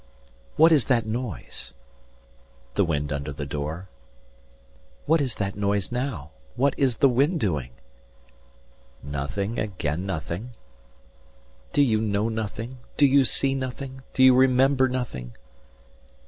"What is that noise?" The wind under the door. "What is that noise now? What is the wind doing?" Nothing again nothing. 120 "Do You know nothing? Do you see nothing? Do you remember Nothing?"